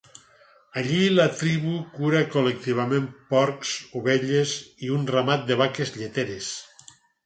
Allí la tribu cura col·lectivament porcs, ovelles i un ramat de vaques lleteres.